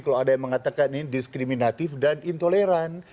kalau ada yang mengatakan ini diskriminatif dan intoleran